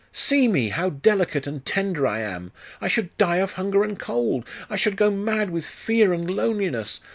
See me, how dedicate and tender I am! I should die of hunger and cold! I should go mad with fear and loneliness!